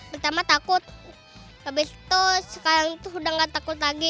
pertama takut habis itu sekarang tuh udah gak takut lagi